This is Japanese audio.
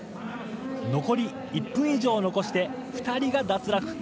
残り１分以上残して、２人が脱落。